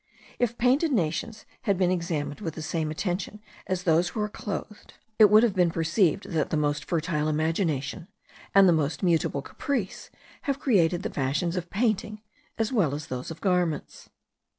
If painted nations had been examined with the same attention as those who are clothed, it would have been perceived that the most fertile imagination, and the most mutable caprice, have created the fashions of painting, as well as those of garments.